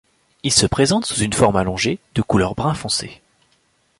Il se présente sous une forme allongée, de couleur brun foncé.